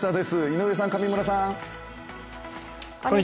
井上さん、上村さん。